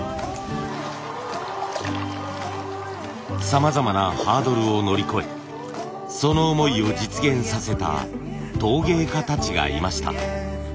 さまざまなハードルを乗り越えその思いを実現させた陶芸家たちがいました。